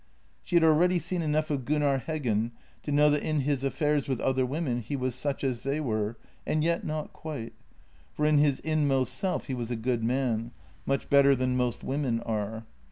She had already seen enough of Gunnar Heggen to know that in his affairs with other women he was such as they were — and yet not quite — for in his inmost self he was a good man, much better than most women are.